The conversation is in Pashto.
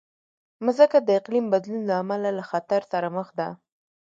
مځکه د اقلیم بدلون له امله له خطر سره مخ ده.